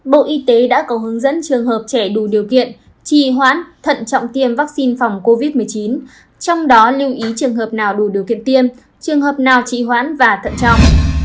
bộ y tế đã có hướng dẫn trường hợp trẻ đủ điều kiện trì hoãn thận trọng tiêm vaccine phòng covid một mươi chín trong đó lưu ý trường hợp nào đủ điều kiện tiêm trường hợp nào trị hoãn và thận trọng